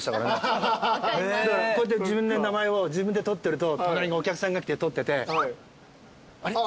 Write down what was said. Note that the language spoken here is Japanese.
こうやって自分で名前を自分で撮ってると隣にお客さんが来て撮っててあれ？